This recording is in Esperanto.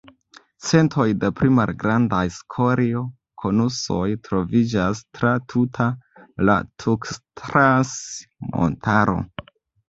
Centoj da pli malgrandaj skorio-konusoj troviĝas tra tuta la Tukstlas-Montaro.